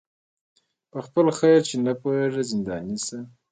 په خپل خیر چي نه پوهیږي زنداني سي